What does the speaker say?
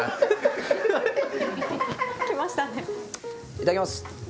いただきます。